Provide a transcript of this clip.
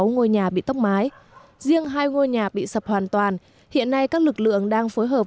sáu ngôi nhà bị tốc mái riêng hai ngôi nhà bị sập hoàn toàn hiện nay các lực lượng đang phối hợp